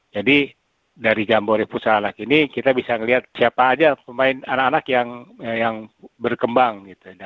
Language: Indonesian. jadi dari jamboree futsal arang ini kita bisa melihat siapa saja pemain anak anak yang berkembang